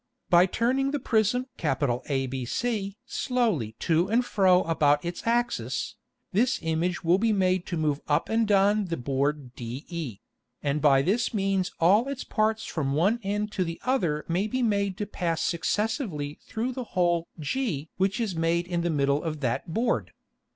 By turning the Prism ABC slowly to and fro about its Axis, this Image will be made to move up and down the Board de, and by this means all its parts from one end to the other may be made to pass successively through the hole g which is made in the middle of that Board.